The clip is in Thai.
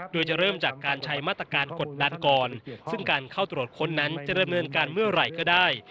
โดยจะเริ่มจากการใช้มาตรการกดดันก่อนซึ่งการเข้าตรวจค้นนั้นจะดำเนินการเมื่อไหร่ก็ได้